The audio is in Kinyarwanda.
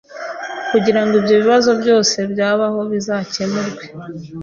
kugira ngo ibyo bibazo byose byabaho bizakemurwe